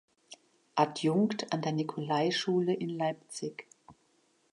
Adjunkt an der Nikolaischule in Leipzig.